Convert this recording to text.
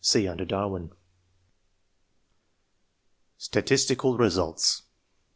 — (See under Darwin.) STATISTICAL RESULTS.